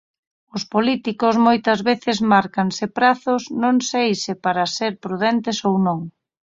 Os políticos moitas veces márcanse prazos non sei se para ser prudentes ou non.